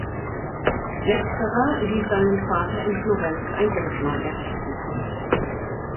Letzterer ließ seinem Vater in Florenz ein Denkmal errichten.